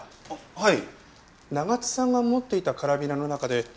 はい。